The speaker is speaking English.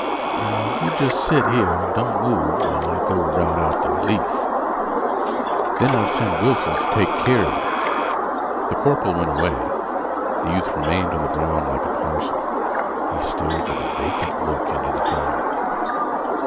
Now, you jest sit here an' don't move, while I go rout out th' relief. Then I'll send Wilson t' take keer 'a yeh." The corporal went away. The youth remained on the ground like a parcel. He stared with a vacant look into the fire.